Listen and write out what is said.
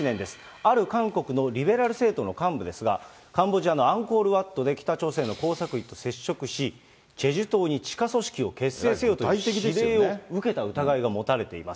ある韓国のリベラル政党の幹部ですが、カンボジアのアンコールワットで北朝鮮の工作員と接触し、チェジュ島に地下組織を結成せよという指令を受けた疑いが持たれています。